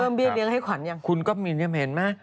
เพิ่มเบี้ยเลี้ยงให้ขวัญอย่างคุณก็เห็นมั้ย